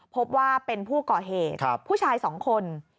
พบว่าเป็นผู้ก่อเหตุผู้ชาย๒คน